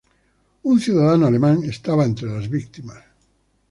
Un ciudadano alemán estaba entre las víctimas.